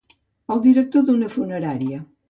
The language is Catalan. El director d’una funerària.